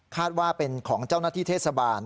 ว่าเป็นของเจ้าหน้าที่เทศบาล